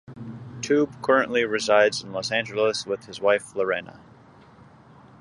Toub currently resides in Los Angeles, with his wife, Lorena.